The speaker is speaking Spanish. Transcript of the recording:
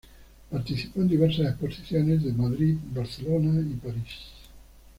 Participó en diversas exposiciones de Madrid, Barcelona y París.